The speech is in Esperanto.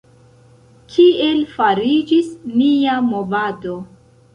Kiel fariĝis nia movado?